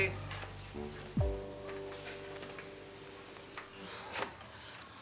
assalamualaikum pak ji